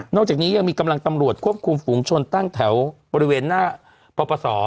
จากนี้ยังมีกำลังตำรวจควบคุมฝูงชนตั้งแถวบริเวณหน้าปปศ